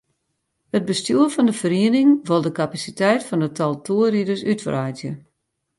It bestjoer fan de feriening wol de kapasiteit fan it tal toerriders útwreidzje.